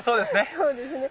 そうですね。